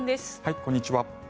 こんにちは。